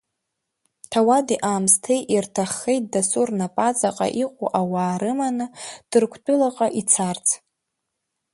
Ҭауади аамысҭеи ирҭаххеит дасу рнапаҵаҟа иҟоу ауаа рыманы Ҭырқәтәылаҟа ицарц.